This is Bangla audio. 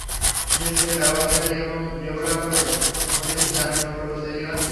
বিশেষ করে ব্যবহারকারী এবং ডেভেলপারদের মধ্যে একটি দারুণ সম্পর্ক তৈরি হচ্ছে।